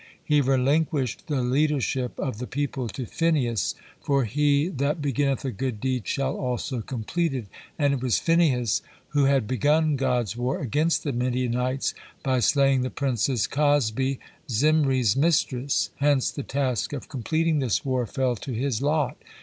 He relinquished the leadership of the people to Phinehas, for "he that beginneth a good deed shall also complete it," and it was Phinehas who had begun God's war against the Midianites by slaying the princess Cozbi, Zimri's mistress, hence the task of completing this war fell to his lot.